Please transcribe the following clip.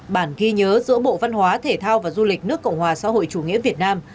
bản ghi nhớ giữa bộ văn hóa thể thao và du lịch nước cộng hòa xã hội chủ nghĩa việt nam